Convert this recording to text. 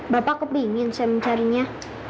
bapak kepingin saya mencarinya